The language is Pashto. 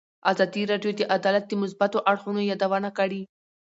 ازادي راډیو د عدالت د مثبتو اړخونو یادونه کړې.